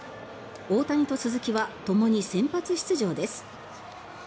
大谷と鈴木はともに先発出場です。